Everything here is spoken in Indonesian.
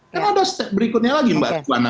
kan ada step berikutnya lagi mbak puan